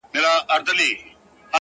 نه يې لاس و نه يې سترگه د زوى مړي٫